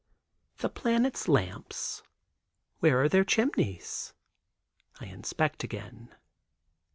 The planets lamps? Where are their chimneys? I inspect again.